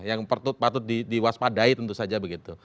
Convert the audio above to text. yang patut diwaspadai tentu saja begitu